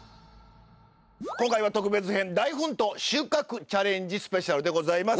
今回は特別編「大奮闘収穫チャレンジスペシャル」でございます。